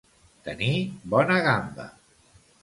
Tenir bona gamba.